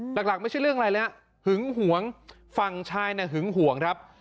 หลักไม่ใช่เรื่องอะไรเลยฮะหึงหวงฝั่งชายเนี่ยหึงห่วงครับ